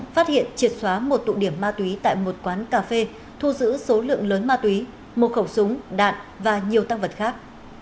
phát hiện triệt xóa một tụ điểm ma túy tại một quán cà phê thu giữ số lượng lớn ma túy một khẩu súng đạn và nhiều tăng vật khác